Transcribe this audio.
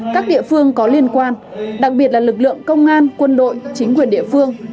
các địa phương có liên quan đặc biệt là lực lượng công an quân đội chính quyền địa phương